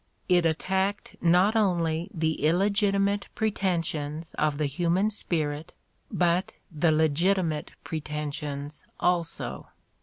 It attacked not only the illegitimate pretensions of the human spirit but the legitimate pretensions also.